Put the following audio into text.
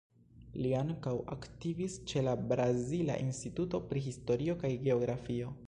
Li ankaŭ aktivis ĉe la Brazila Instituto pri Historio kaj Geografio.